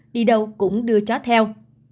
đi đâu cũng đưa chó theo